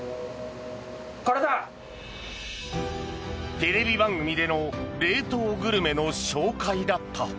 テレビ番組での冷凍グルメの紹介だった。